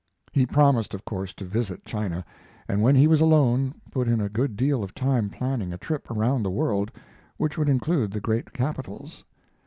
He promised, of course, to visit China, and when he was alone put in a good deal of time planning a trip around the world which would include the great capitals.